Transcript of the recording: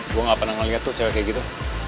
gue gak pernah ngeliat tuh cewek kayak gitu